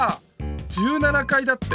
１７かいだって。